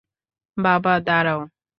বাবা, দাঁড়াও।